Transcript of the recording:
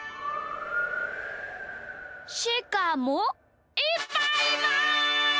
しかもいっぱいいます！